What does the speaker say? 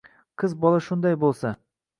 Qiz bola shunday bo‘lsa!